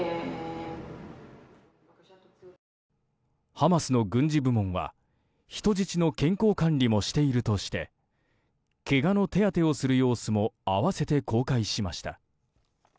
ハマスの軍事部門は人質の健康管理もしているとしてけがの手当てをする様子も併せて公開しました。